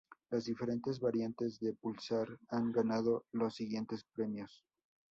Las diferentes variantes de Pulsar han ganado los siguientes premios.